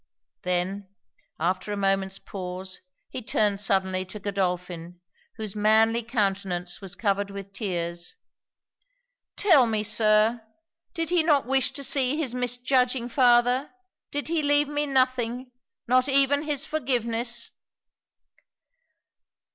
Then, after a moment's pause, he turned suddenly to Godolphin, whose manly countenance was covered with tears. 'Tell me, Sir! did he not wish to see his misjudging father? did he leave me nothing not even his forgiveness?'